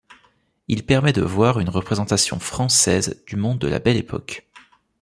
Il permet de voir une représentation française du monde de la Belle Époque.